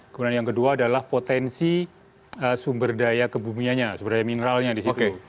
kemudian yang kedua adalah potensi sumber daya kebumianya sumber daya mineralnya di situ